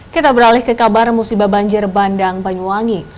kita beralih ke kabar musibah banjir bandang banyuwangi